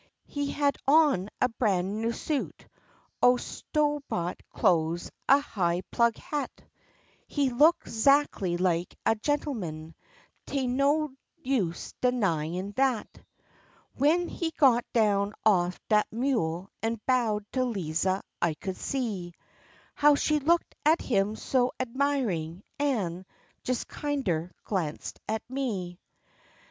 He had on a bran' new suit o' sto' bought clo'es, a high plug hat; He looked 'zactly like a gen'man, tain't no use d'nyin' dat. W'en he got down off dat mule an' bowed to Liza I could see How she looked at him so 'dmirin', an' jes kinder glanced at me.